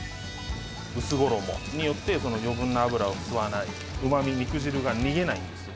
薄衣によって、余分な油を吸わない、うまみ、肉汁が逃げないんですよ。